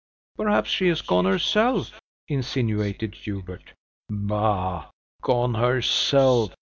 "Perhaps she has gone herself," insinuated Hubert. "Bah! Gone herself!"